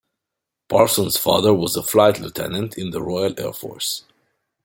Parsons' father was a flight-lieutenant in the Royal Air Force.